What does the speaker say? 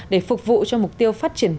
để phục vụ cho mục tiêu phát triển